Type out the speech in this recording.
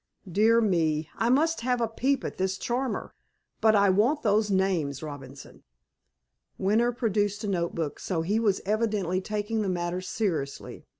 "Dear me! I must have a peep at this charmer. But I want those names, Robinson." Winter produced a note book, so he was evidently taking the matter seriously.